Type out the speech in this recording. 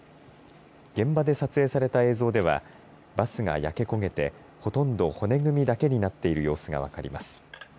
現場で撮影された映像ではバスが焼け焦げてほとんど骨組みだけになっている様子が分かります。